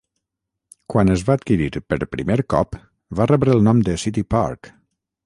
Quan es va adquirir per primer cop, va rebre el nom de "City Park".